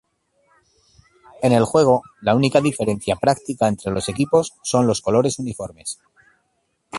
En el juego, la única diferencia práctica entre los equipos son los colores uniformes.